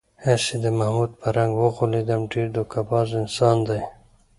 هسې د محمود په رنگ و غولېدم، ډېر دوکه باز انسان دی.